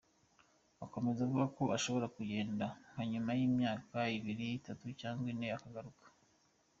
Akomeza avuga ko ashobora kugenda nka nyuma y’imyaka ibiri, itatu cyangwa ine akagaruka.